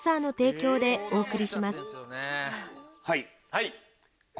はい。